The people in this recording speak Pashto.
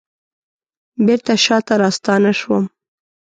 بیرته شاته راستنه شوم